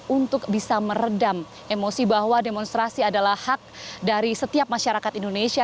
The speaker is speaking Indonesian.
untuk bisa meredam emosi bahwa demonstrasi adalah hak dari setiap masyarakat indonesia